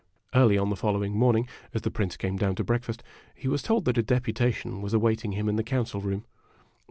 Early on the following morning, as the Prince came down to breakfast, he was told that a deputation was awaiting him in the Council Room.